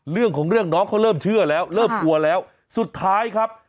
เรื่องของเรื่องน้องเขาเริ่มเชื่อแล้วเริ่มกลัวแล้วสุดท้ายครับ